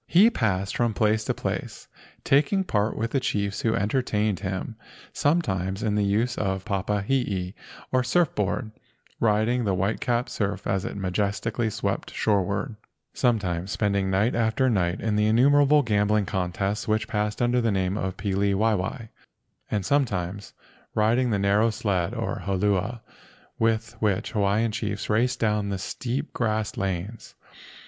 He passed from place to place, taking part with the chiefs who entertained him sometimes in the use of the papa hee, or surf board, riding the white capped surf as it majestically swept shoreward—sometimes spending night after night in the innumerable gambling contests which passed under the name pili waiwai—and some¬ times riding the narrow sled, or holua, with which Hawaiian chiefs raced down the steep grassed lanes.